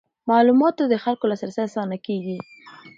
معلوماتو ته د خلکو لاسرسی اسانه کیږي.